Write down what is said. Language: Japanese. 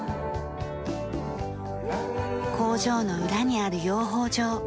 工場の裏にある養蜂場。